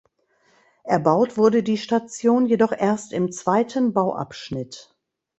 Erbaut wurde die Station jedoch erst im zweiten Bauabschnitt.